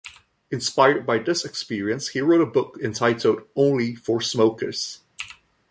Inspired by this experience, he wrote a book entitled "Only for smokers".